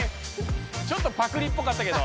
ちょっとパクリっぽかったけど。